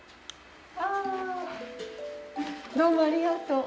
どうもありがとう。